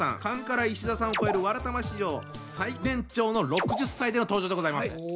カンカラ石田さんを超える「わらたま」史上最年長の６０歳での登場でございます。